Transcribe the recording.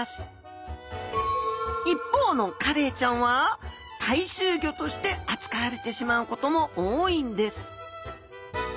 一方のカレイちゃんは大衆魚として扱われてしまうことも多いんです。